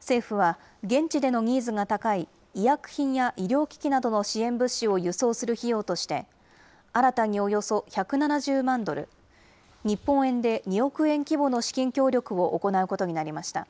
政府は現地でのニーズが高い、医薬品や医療機器などの支援物資を輸送する費用として、新たにおよそ１７０万ドル、日本円で２億円規模の資金協力を行うことになりました。